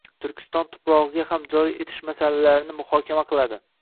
Turkiston tuprog'iga ham joriy etish masalalarini muhokama qiladi.